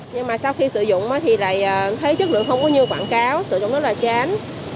nhưng mà sau khi sử dụng thì lại thấy chất lượng không có như quảng cáo sử dụng rất là chán